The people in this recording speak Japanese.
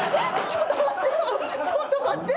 ちょっと待って！